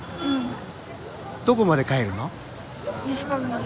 どこまで帰るの？